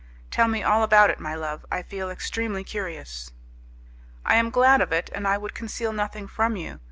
"Tell me all about it, my love. I feel extremely curious." "I am glad of it, and I would conceal nothing from you.